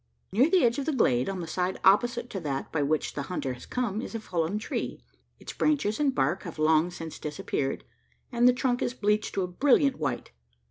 Near the edge of the glade, on the side opposite to that by which the hunter has come in, is a fallen tree. Its branches and bark have long since disappeared, and the trunk is bleached to a brilliant white.